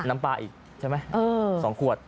น้ำปลาอีกใช่ไหม๒ขวด